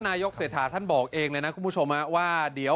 นายกเศรษฐาท่านบอกเองเลยนะคุณผู้ชมว่าเดี๋ยว